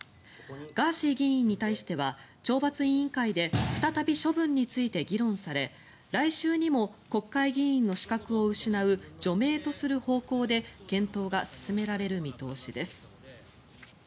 ガーシー議員に対しては懲罰委員会で再び処分について議論され来週にも国会議員の資格を失う除名とする方向で検討が進められる見通しです。